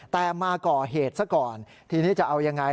แต่มาก่อเหตุซะก่อนทีนี้จะเอายังไง